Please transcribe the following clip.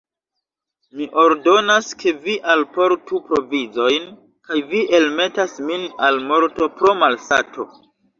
Mi ordonas, ke vi alportu provizojn, kaj vi elmetas min al morto pro malsato!